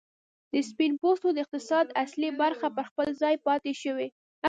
د سپین پوستو د اقتصاد اصلي برخې پر خپل ځای پاتې شوې.